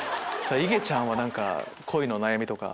いげちゃんは何か恋の悩みとか。